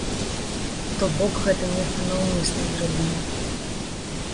То бок гэта нехта наўмысна зрабіў.